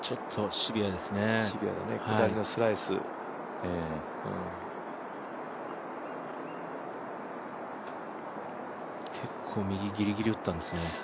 シビアだね、下りのスライス結構、右ギリギリ打ったんですね。